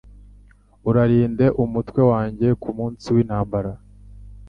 urarinde umutwe wanjye ku munsi w’intambara